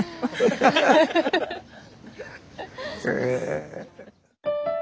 へえ。